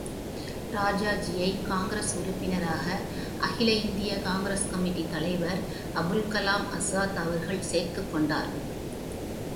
ராஜாஜியை Congress உறுப்பினராக அகில இந்திய காங்கிரஸ் கமிட்டித் தலைவர் அபுல்கலாம் அசாத் அவர்கள் சேர்த்துக் கொண்டார்.